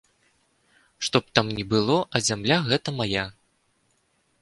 Што б там ні было, а зямля гэта мая.